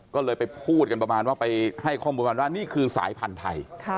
ก็เลยไปพูดกันประมาณว่าไปให้ข้อมูลประมาณว่านี่คือสายพันธุ์ไทย